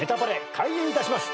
開演いたします。